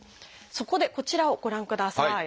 そこでこちらをご覧ください。